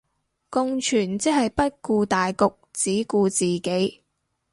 共存即係不顧大局只顧自己